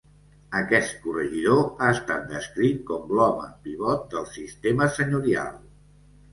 Aquest "corregidor" ha estat descrit com "l'home pivot del sistema senyorial".